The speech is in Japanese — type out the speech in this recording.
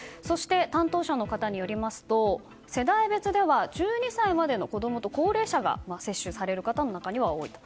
担当者の方によりますと世代別では１２歳までの子供と高齢者が接種される方の中には多いと。